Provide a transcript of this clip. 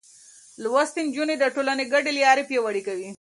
لوستې نجونې د ټولنې ګډې لارې پياوړې کوي.